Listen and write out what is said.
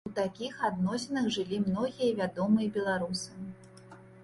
У такіх адносінах жылі многія вядомыя беларусы.